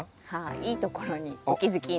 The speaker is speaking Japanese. いいところにお気付きになりました。